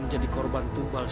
semoga tangkapanmu sehat lagi